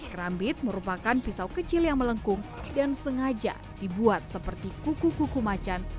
kerambit merupakan pisau kecil yang melengkung dan sengaja dibuat seperti kuku kuku macan